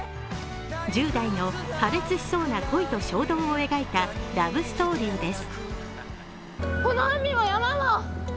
１０代の破裂しそうな恋と衝動を描いたラブストーリーです。